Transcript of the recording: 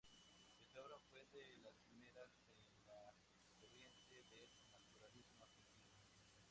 Esta obra fue de las primeras en la corriente del naturalismo argentino.